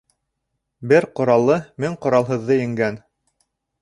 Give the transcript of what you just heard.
Бер ҡораллы мең ҡоралһыҙҙы еңгән.